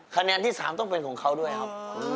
คะแนนที่๓ต้องเป็นของเขาด้วยครับ